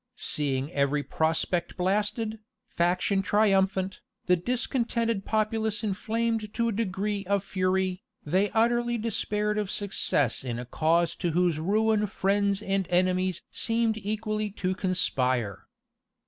Seeing every prospect blasted, faction triumphant, the discontented populace inflamed to a degree of fury, they utterly despaired of success in a cause to whose ruin friends and enemies seemed equally to conspire.